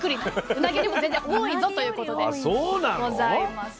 うなぎよりも全然多いぞということでございます。